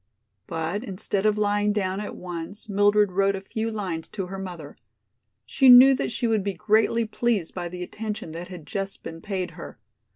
But instead of lying down at once Mildred wrote a few lines to her mother. She knew that she would be greatly pleased by the attention that had just been paid her.